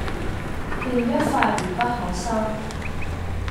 便一發而不可收，